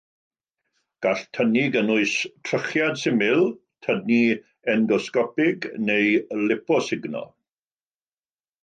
Gall tynnu gynnwys trychiad syml, tynnu endosgopig, neu liposugno.